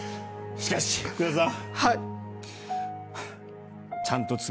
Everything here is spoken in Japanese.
しかし福田さん。